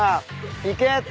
いけ。